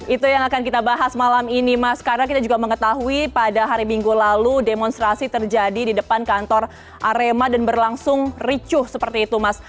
itu yang akan kita bahas malam ini mas karena kita juga mengetahui pada hari minggu lalu demonstrasi terjadi di depan kantor arema dan berlangsung ricuh seperti itu mas